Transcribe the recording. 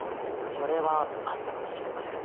それはあったかもしれませんね。